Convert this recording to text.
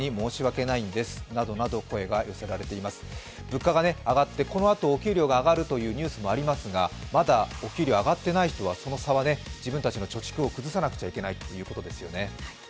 物価がね上がってこのあとお給料が上がるというニュースもありますがまだお給料上がっていない人はその差は自分たちの貯蓄を崩さなきゃいけないということですよね。